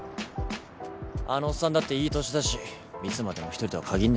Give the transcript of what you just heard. あのおっさんだっていい歳だしいつまでも一人とは限んねえぞ。